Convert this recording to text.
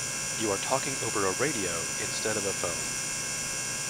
You are talking over a radio instead of a phone.